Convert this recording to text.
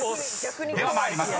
［では参ります］